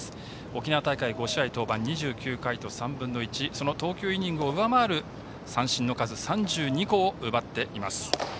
沖縄大会、５試合登板して２９回と３分の１その投球イニングを上回る三振の数３２個を奪っています。